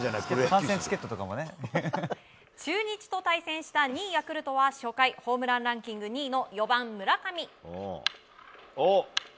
中日と対戦した２位ヤクルトは初回ホームランキング２位の４番、村上。